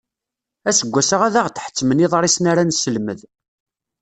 Aseggas-a ad aɣ-d-ḥettmen iḍrisen ara nesselmed.